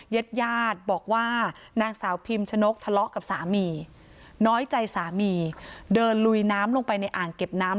ญาติญาติบอกว่านางสาวพิมชนกทะเลาะกับสามีน้อยใจสามีเดินลุยน้ำลงไปในอ่างเก็บน้ำ